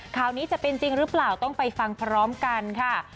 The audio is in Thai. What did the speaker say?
ข่าวนี้จะเป็นจริงหรือเปล่าต้องไปฟังพร้อมกันค่ะ